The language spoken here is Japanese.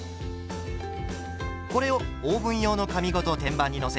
これをオーブン用の紙ごと天板に載せ